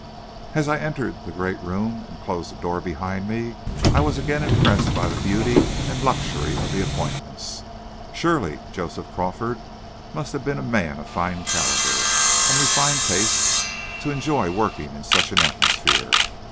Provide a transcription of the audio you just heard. As I entered the great room and closed the door behind me, I was again impressed by the beauty and luxury of the appointments. Surely Joseph Crawford must have been a man of fine calibre and refined tastes to enjoy working in such an atmosphere.